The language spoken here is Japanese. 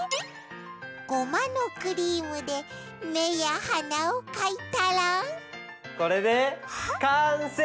ゴマのクリームでめやはなをかいたらこれでかんせい！